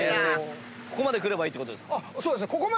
ここまで来ればいいってことですか？